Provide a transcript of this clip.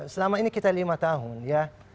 selama ini kita lima tahun ya